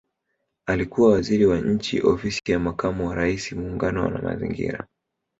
Alikuwa Waziri wa Nchi Ofisi ya Makamu wa Rais Muungano na Mazingira